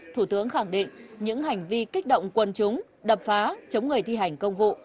thủ tướng khẳng định những hành vi kích động quân chúng đập phá chống người thi hành công vụ